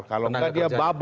kalau enggak dia bubble